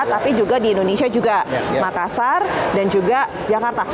tapi juga di indonesia juga makassar dan juga jakarta